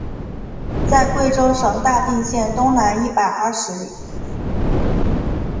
在贵州省大定县东南一百二十里。